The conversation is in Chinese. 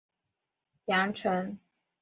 治淮阳城。